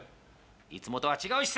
いつもとは違う視線。